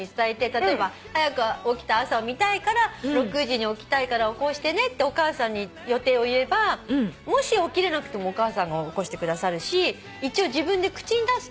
例えば『はやく起きた朝』を見たいから６時に起きたいから起こしてねってお母さんに予定を言えばもし起きれなくてもお母さんが起こしてくださるし一応自分で口に出すと。